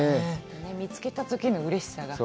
見つけたときのうれしさが。